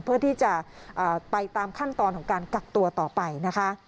เพื่อที่จะไปตามขั้นตอนของการกักตัวต่อไปนะคะ